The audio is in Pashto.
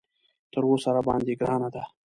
تر اوسه راباندې ګرانه ده.